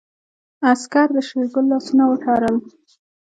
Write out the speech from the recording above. عسکر د شېرګل لاسونه وتړل.